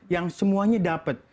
yang semuanya dapat